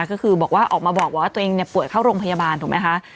ก็คือบอกว่าออกมาบอกว่าตัวเองป่วยเข้าโรงพยาบาลถูกไหมคะ